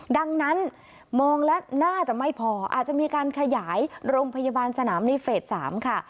ดังนั้นมองแล้วน่าจะไม่พออาจจะมีการขยายโรงพยาบาลสนามในเฟส๓ค่ะ